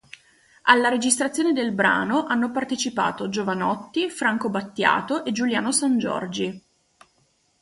Alla registrazione del brano hanno partecipato Jovanotti, Franco Battiato e Giuliano Sangiorgi.